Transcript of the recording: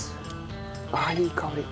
ああいい香り。